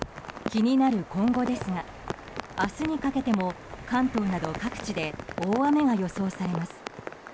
気になる今後ですが明日にかけても関東など各地で大雨が予想されます。